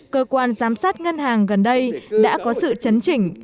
cơ quan giám sát ngân hàng gần đây đã có sự chấn chỉnh